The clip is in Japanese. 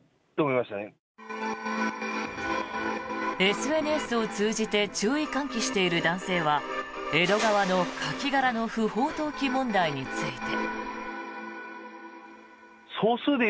ＳＮＳを通じて注意喚起している男性は江戸川のカキ殻の不法投棄問題について。